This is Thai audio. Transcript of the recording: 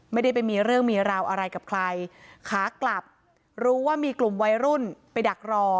ไม่ได้ไปมีเรื่องมีราวอะไรกับใครขากลับรู้ว่ามีกลุ่มวัยรุ่นไปดักรอ